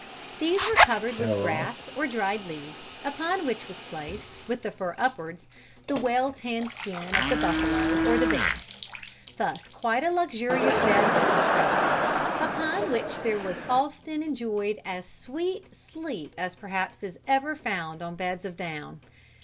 These were covered with grass or dried leaves, upon which was placed, with the fur upwards, the well tanned skin of the buffalo or the bear. Thus quite a luxurious bed was constructed, upon which there was often enjoyed as sweet sleep as perhaps is ever found on beds of down.